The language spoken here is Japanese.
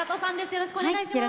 よろしくお願いします。